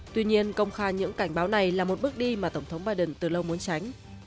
tuy nhiên công khai những cảnh báo này là một bước đi mà tổng thống biden từ lâu muốn tránh